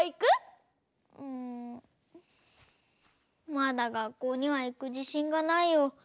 まだがっこうにはいくじしんがないよ。